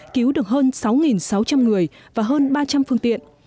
cứu được hơn sáu sáu trăm linh người và hơn ba trăm linh phương tiện